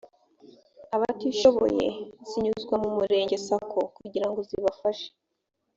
abatishoboye zinyuzwa mu murenge sacco kugira ngo zibafashe